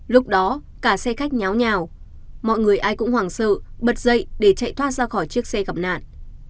lúc đó cả xe khách nháo nhào mọi người ai cũng hoàng sợ bật dậy để chạy thoát ra khỏi chiếc xe gặp nạn